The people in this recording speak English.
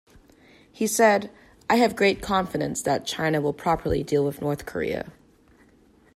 He said, I have great confidence that China will properly deal with North Korea.